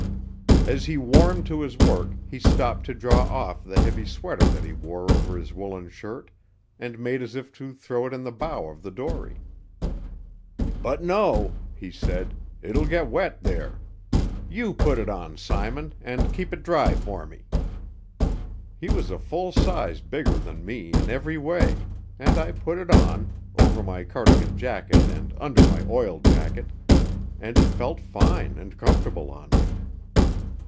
As he warmed to his work he stopped to draw off the heavy sweater that he wore over his woollen shirt, and made as if to throw it in the bow of the dory. "But no," he said, "it will get wet there. You put it on you, Simon, and keep it dry for me." He was a full size bigger than me in every way, and I put it on, over my cardigan jacket and under my oil jacket, and it felt fine and comfortable on me.